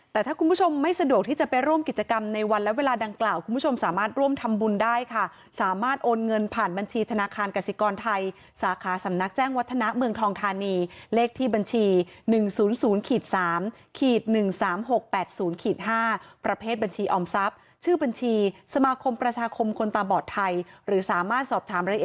แต่ถ้าคุณผู้ชมไม่สะดวกที่จะไปร่วมกิจกรรมในวันและเวลาดังกล่าวคุณผู้ชมสามารถร่วมทำบุญได้ค่ะสามารถโอนเงินผ่านบัญชีธนาคารกสิกรไทยสาขาสำนักแจ้งวัฒนาเมืองทองธานีเลขที่บัญชี๑๐๐๓๑๓๖๘๐๕ประเภทบัญชีออมทรัพย์ชื่อบัญชีสมาคมประชาคมคนตาบอดไทยหรือสามารถสอบถามระเอ